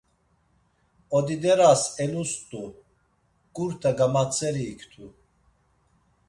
Odideras elust̆u, ǩurta gamatzeri iktu.